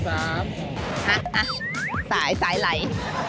อ่ะสายสายไหล